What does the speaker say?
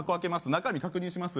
中身確認します